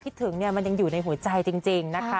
ถึงเนี่ยมันยังอยู่ในหัวใจจริงนะคะ